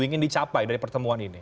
ingin dicapai dari pertemuan ini